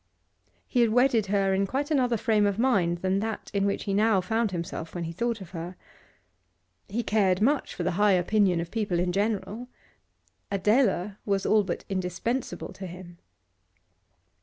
He had wedded her in quite another frame of mind than that in which he now found himself when he thought of her. He cared much for the high opinion of people in general; Adela was all but indispensable to him.